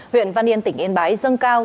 huyện văn yên tỉnh yên bái dâng cao